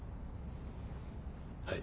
はい。